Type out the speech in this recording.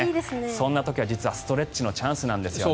そんな時は実はストレッチのチャンスなんですよね。